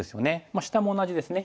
下も同じですね。